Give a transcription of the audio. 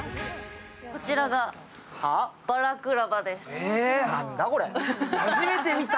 こちらがバラクラバです。